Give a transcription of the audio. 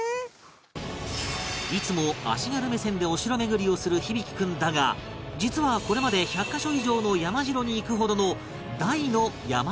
いつも足軽目線でお城巡りをする響大君だが実はこれまで１００カ所以上の山城に行くほどの大の山城好き